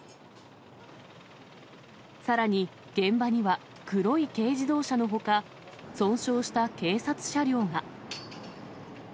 さらに、現場には黒い軽自動車のほか、損傷した警察車両が。